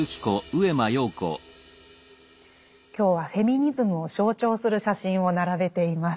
今日はフェミニズムを象徴する写真を並べています。